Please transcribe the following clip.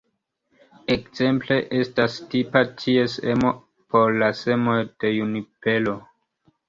Ekzemple estas tipa ties emo por la semoj de junipero.